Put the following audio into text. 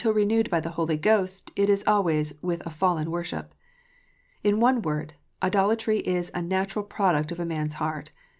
405 renewed by the Holy Ghost, it is always with a fallen worship. In one word, idolatry is a natural product of man s heart.